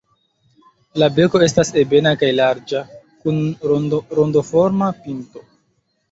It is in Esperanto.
La beko estas ebena kaj larĝa, kun rondoforma pinto.